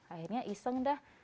akhirnya iseng dah